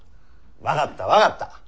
分かった分かった。